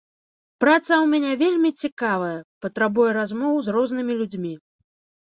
Праца ў мяне вельмі цікавая, патрабуе размоў з рознымі людзьмі.